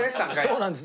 そうなんです。